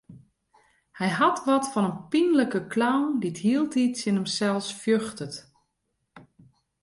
Hy hat wat fan in pynlike clown dy't hieltyd tsjin himsels fjochtet.